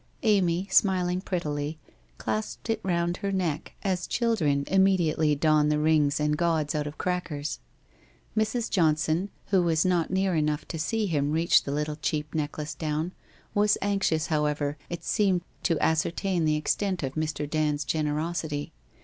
Amy, smiling prettily, clasped it round her neck, as children immediately don the rings and gauds out of crackers. Mrs. Johnson, who was not near enough to see him reach the little cheap necklace down, was anxious, however, it seemed, to ascer tain the extent of Mr. Dand's generosity.